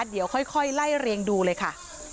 เดี๋ยวค่อยไล่เรียงดูเลยค่ะ